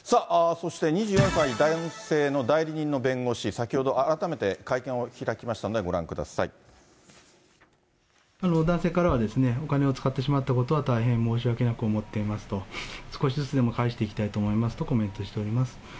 さあ、２４歳、男性の代理人の弁護士、先ほど改めて会見を開きま男性からは、お金を使ってしまったことは大変申し訳なく思っていますと、少しずつでも返していきたいと思いますとコメントしております。